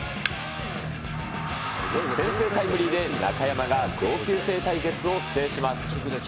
先制タイムリーで、中山が同級生対決を制します。